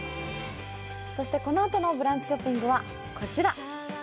このあとの「ブランチショッピング」はこちら。